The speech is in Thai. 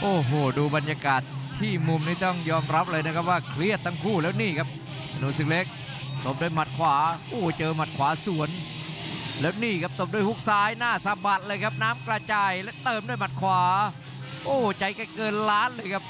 โอ้โหดูบรรยากาศที่มุมนี้ต้องยอมรับเลยนะครับว่าเครียดทั้งคู่แล้วนี่ครับถนนศึกเล็กตบด้วยหมัดขวาโอ้เจอหมัดขวาสวนแล้วนี่ครับตบด้วยฮุกซ้ายหน้าสะบัดเลยครับน้ำกระจายและเติมด้วยหมัดขวาโอ้ใจแกเกินล้านเลยครับ